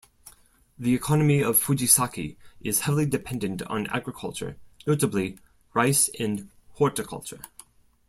The economy of Fujisaki is heavily dependent on agriculture, notably rice and horticulture.